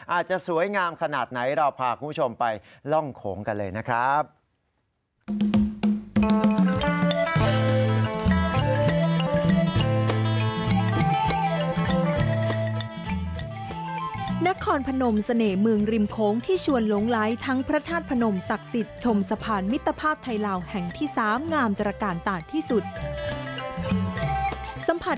อาจจะสวยงามขนาดไหนเราพาคุณผู้ชมไปล่องโขงกันเลยนะครับ